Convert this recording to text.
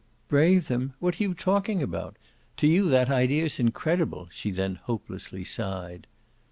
"Brave them what are you talking about? To you that idea's incredible!" she then hopelessly sighed.